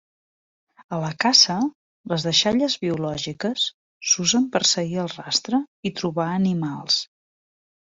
A la caça, les deixalles biològiques s'usen per seguir el rastre i trobar animals.